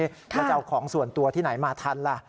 แล้วจะเอาของส่วนตัวที่ไหนมาทันล่ะ